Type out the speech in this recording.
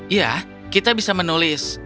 ya kita bisa menulis